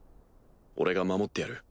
俺が守ってやる。